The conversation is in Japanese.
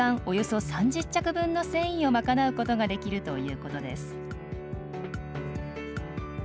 およそ３０着分の繊維をまかなうことができるということです。